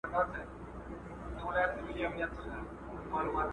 د ټولو ميرمنو زړه څنګه خوشاله ساتل کېدی سي؟